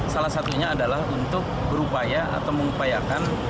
salah satunya adalah untuk berupaya atau mengupayakan